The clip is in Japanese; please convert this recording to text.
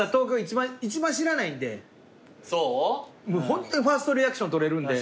ホントにファーストリアクションとれるんで。